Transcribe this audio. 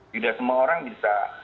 tidak semua orang bisa